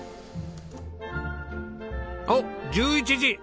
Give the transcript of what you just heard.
おっ１１時！